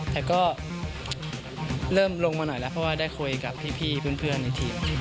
แต่ก็เริ่มลงมาหน่อยแล้วเพราะว่าได้คุยกับพี่เพื่อนในทีม